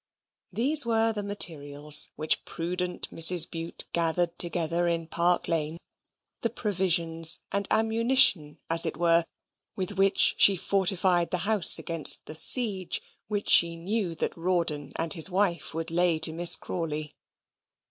These were the materials which prudent Mrs. Bute gathered together in Park Lane, the provisions and ammunition as it were with which she fortified the house against the siege which she knew that Rawdon and his wife would lay to Miss Crawley.